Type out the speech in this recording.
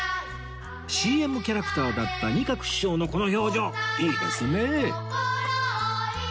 ＣＭ キャラクターだった仁鶴師匠のこの表情いいですねえ